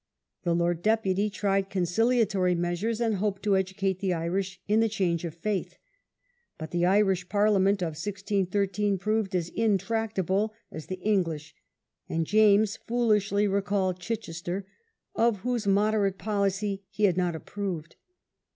The Lord Deputy tried con ciliatory measures, and hoped to educate the Irish in the change of faith. But the Irish Parliament of 16 13 proved as intractable as the English, and James foolishly recalled Chichester, of whose moderate policy he had not ap proved.